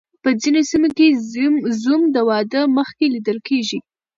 په ځینو سیمو کې زوم د واده مخکې لیدل کیږي.